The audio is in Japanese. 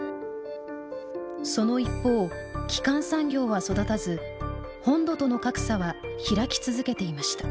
その一方基幹産業は育たず本土との格差は開き続けていました。